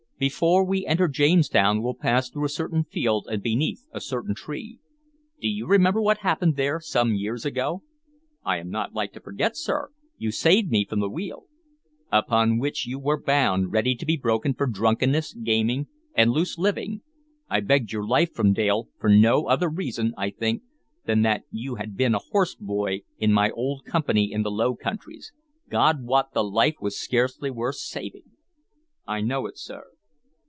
"Before we enter Jamestown we'll pass through a certain field and beneath a certain tree. Do you remember what happened there, some years ago?" "I am not like to forget, sir. You saved me from the wheel." "Upon which you were bound, ready to be broken for drunkenness, gaming, and loose living. I begged your life from Dale for no other reason, I think, than that you had been a horse boy in my old company in the Low Countries. God wot, the life was scarcely worth the saving!" "I know it, sir."